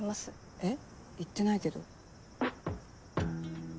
えっ言ってないけど。